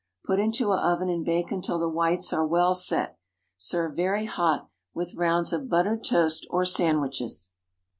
Put into an oven and bake until the whites are well set. Serve very hot, with rounds of buttered toast, or sandwiches.